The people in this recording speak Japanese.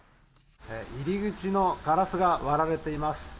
入り口のガラスが割られています。